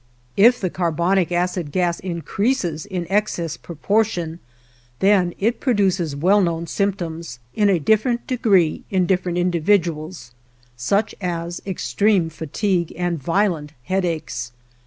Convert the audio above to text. If the carbonic acid gas increases in excess proportion then it produces well known symptoms, in a different degree, in different individuals, such as extreme fatigue and violent headaches.